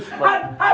setan setan setan